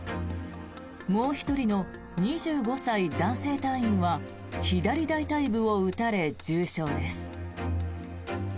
もう１人の２５歳男性隊員は左大腿部を撃たれ重傷です。